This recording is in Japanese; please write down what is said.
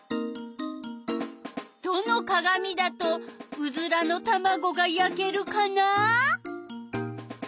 どのかがみだとうずらのたまごがやけるかな？